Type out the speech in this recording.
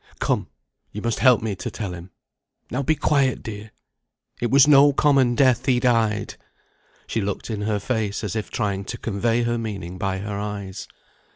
Come, you must help me to tell him. Now be quiet, dear! It was no common death he died!" She looked in her face as if trying to convey her meaning by her eyes.